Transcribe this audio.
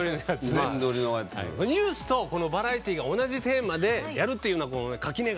ニュースとバラエティーが同じテーマでやるというね